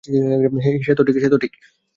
সে তো ঠিক।